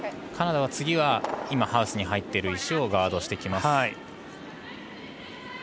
カナダは次は今、ハウスに入っている石をガードしてきます。